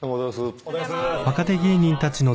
おはようございます。